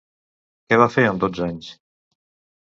Què va fer amb dotze anys?